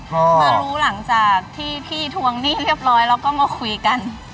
มารู้หลังจากที่พี่ทวงหนี้เรียบร้อยแล้วก็มาคุยกัน